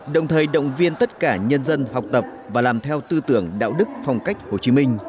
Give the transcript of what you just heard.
đồng thời động viên tất cả nhân dân học tập và làm theo tư tưởng đạo đức phong cách hồ chí minh